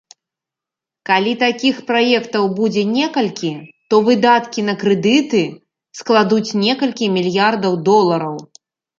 Калі такіх праектаў будзе некалькі, то выдаткі на крэдыты складуць некалькі мільярдаў долараў.